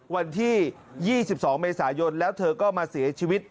วันที่๒๒เมษายนแล้วเธอก็มาเสียชีวิต